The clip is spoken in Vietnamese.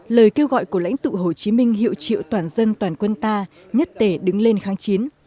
lời kêu gọi của lãnh tụ hồ chí minh hiệu triệu toàn dân toàn quân ta nhất tể đứng lên kháng chiến